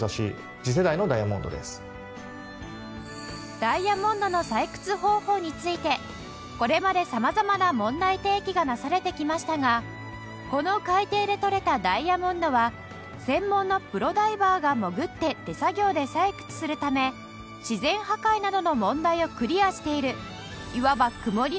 ダイヤモンドの採掘方法についてこれまで様々な問題提起がなされてきましたがこの海底で採れたダイヤモンドは専門のプロダイバーが潜って手作業で採掘するため自然破壊などの問題をクリアしているいわば曇りのない輝きが特徴です